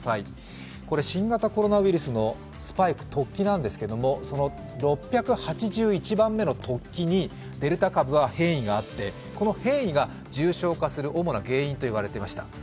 新型コロナウイルスのスパイク、突起なんですけれども、６８１番目の突起にデルタ株は変異があってこの変異が重症化する主な原因と言われていました。